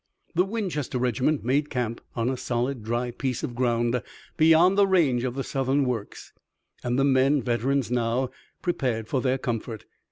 The Winchester regiment made camp on a solid, dry piece of ground beyond the range of the Southern works, and the men, veterans now, prepared for their comfort.